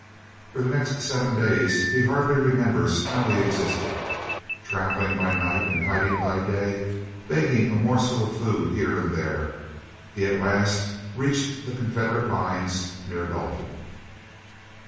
For the next seven days he hardly remembers how he existed. Travelling by night and hiding by day, begging a morsel of food here and there, he at last reached the Confederate lines near Dalton.